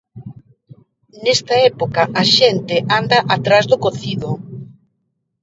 Nesta época a xente anda atrás do cocido.